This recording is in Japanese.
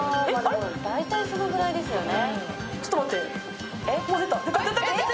大体そのぐらいですよね。